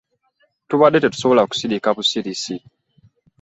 Tubadde tetusobola kusirika busirisi.